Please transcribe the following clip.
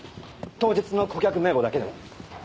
当日の顧客名簿だけでも。